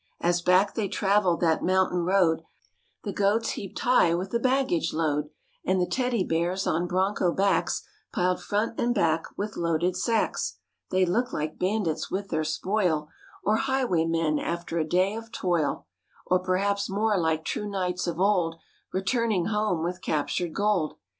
As back they traveled that mountain road, The goats heaped high with the baggage load, And the Teddy Bears on broncho backs, jMj Piled front and back with loaded sacks, mlm j| They looked like bandits with their spoil, Or highwaymen after a day of toil, _ TTfBHlliS Or perhaps more like true knights of old Haii Returning home with captured gold.